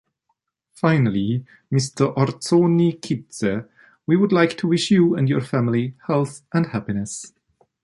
Finally, Mr. Ordzhonikidze, we would like to wish you and your family health and happiness.